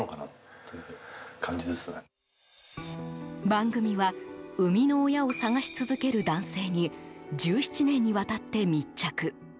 番組は生みの親を捜し続ける男性に１７年にわたって密着。